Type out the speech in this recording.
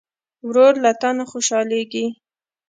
ورور له تا نه خوشحالېږي.